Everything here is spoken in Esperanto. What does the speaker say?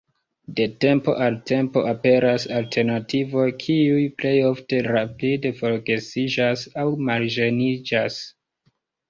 De tempo al tempo aperas alternativoj, kiuj plej ofte rapide forgesiĝas aŭ marĝeniĝas.